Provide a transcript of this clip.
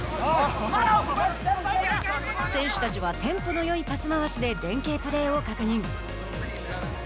選手たちは、テンポのよいパス回しで連係プレーを確認。